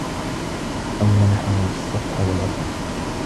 أَوْ مَنَحَهُ الصَّفْحَ وَالْعَفْوَ